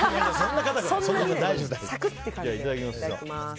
いただきます。